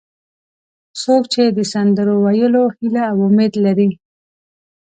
څوک چې د سندرو ویلو هیله او امید لري.